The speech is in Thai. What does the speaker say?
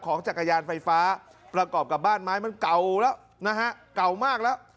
จักรยานไฟฟ้าประกอบกับบ้านไม้มันเก่าแล้วนะฮะเก่ามากแล้ว